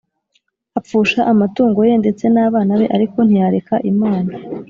apfusha amatungo ye ndetse nabana be ariko ntiyareka Imana.